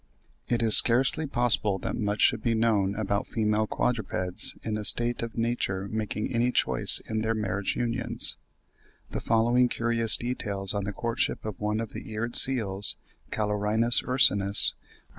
100.) It is scarcely possible that much should be known about female quadrupeds in a state of nature making any choice in their marriage unions. The following curious details on the courtship of one of the eared seals (Callorhinus ursinus) are given (45. Mr. J.A. Allen in 'Bull. Mus. Comp. Zoolog.